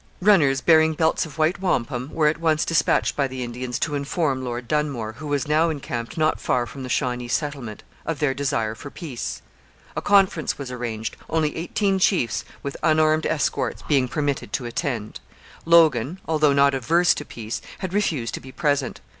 Runners bearing belts of white wampum were at once dispatched by the Indians to inform Lord Dunmore, who was now encamped not far from the Shawnee settlement, of their desire for peace. A conference was arranged, only eighteen chiefs, with unarmed escorts, being permitted to attend. Logan, although not averse to peace, had refused to be present.